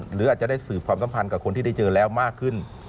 หรืออาจจะได้สืบความสัมพันธ์กับคนที่ได้เจอแล้วมากขึ้น